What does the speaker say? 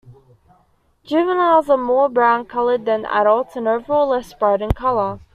Juveniles are more brown colored than adults and overall less bright in color.